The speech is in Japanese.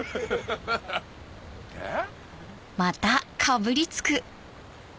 えっ？